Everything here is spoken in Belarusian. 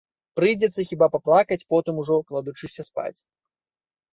Прыйдзецца хіба паплакаць потым ужо, кладучыся спаць.